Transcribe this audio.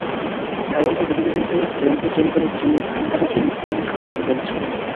গাইবান্ধার গোবিন্দগঞ্জে রংপুর চিনিকলের জমির ধান কাটার জন্য স্থানীয় সাঁওতালদের বলেছে কর্তৃপক্ষ।